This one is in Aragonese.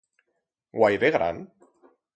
Guaire gran?